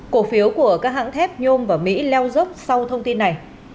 cổ phiếu của các hãng thép nhôm và mỹ leo dốc sau thông tin này